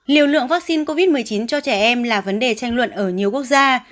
liều lượng vaccine covid một mươi chín cho trẻ em là vấn đề tranh luận ở nhiều quốc gia